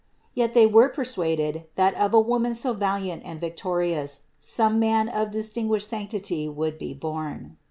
Yet they were persuaded that of a Woman so valiant and victorious, some man of dis tinguished sanctity would be born.